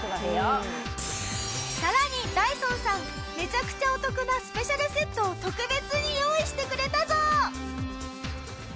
さらにダイソンさんめちゃくちゃお得なスペシャルセットを特別に用意してくれたぞ！